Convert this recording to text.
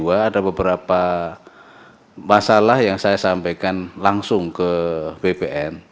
ada beberapa masalah yang saya sampaikan langsung ke bpn